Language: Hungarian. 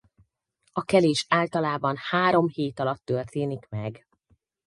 A kelés általában három hét alatt történik meg.